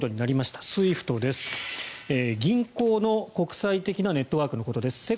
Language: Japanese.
銀行の国際的なネットワークのことです。